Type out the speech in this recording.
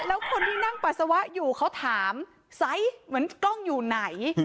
แล้วคนที่นั่งปัสสาวะอยู่เขาถามไซส์เหมือนกล้องอยู่ไหน